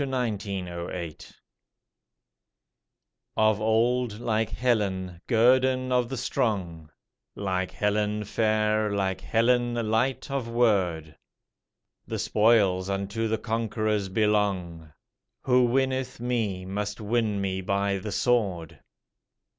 Quebec 1608 1908 Of old, like Helen, guerdon of the strong Like Helen fair, like Helen light of word, "The spoils unto the conquerors belong. Who winneth me must win me by the sword."